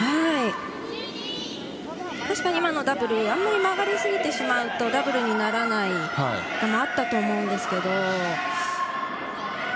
確かに今のダブルはあんまり曲がりすぎてしまうとダブルにならないこともあったと思うんですけど。